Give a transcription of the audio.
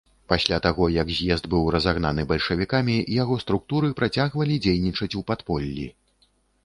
Пасля таго, як з'езд быў разагнаны бальшавікамі, яго структуры працягвалі дзейнічаць у падполлі.